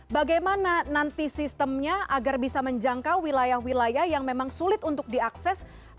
bagaimana nanti sistemnya agar bisa menjangkau wilayah wilayah yang memang sulit untuk diakses